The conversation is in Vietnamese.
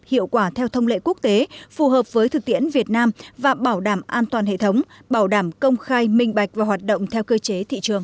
hiệu quả theo thông lệ quốc tế phù hợp với thực tiễn việt nam và bảo đảm an toàn hệ thống bảo đảm công khai minh bạch và hoạt động theo cơ chế thị trường